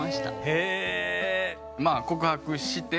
へえ。